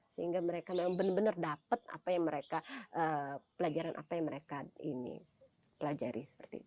sehingga mereka benar benar dapat pelajaran apa yang mereka pelajari